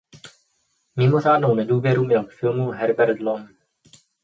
Mimořádnou nedůvěru měl k filmu Herbert Lom.